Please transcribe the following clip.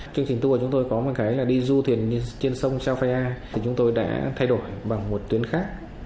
chương trình tour chúng tôi có một cái là đi du thuyền trên sông chao phae a thì chúng tôi đã thay đổi bằng một tuyến khác